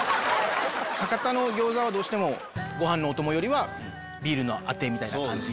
博多の餃子はどうしてもご飯のお供よりはビールのあてみたいな感じで。